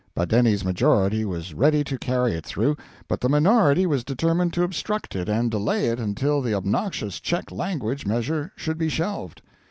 Badeni's majority was ready to carry it through; but the minority was determined to obstruct it and delay it until the obnoxious Czech language measure should be shelved.